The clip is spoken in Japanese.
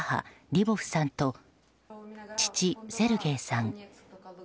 母リボフさんと、父セルゲイさん